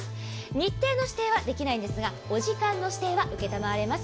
日程の指定はできないんですが、お時間の指定は承れます。